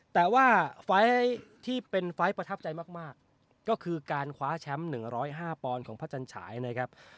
แต่ว่าไฟล์ที่เป็นไฟล์ประทับใจมากก็คือการคว้าแชมป์๑๐๕ปอนด์ของพระจันฉายนะครับ